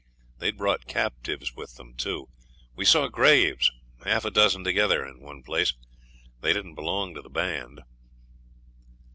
They'd brought captives with them, too. We saw graves, half a dozen together, in one place. THEY didn't belong to the band.